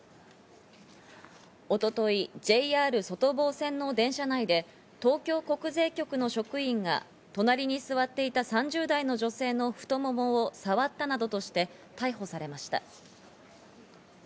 一昨日、ＪＲ外房線の電車内で東京国税局の職員が隣に座っていた３０代の女性の太ももを触ったなどとして逮捕されました。